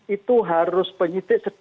itu harus penyet exercising mungkin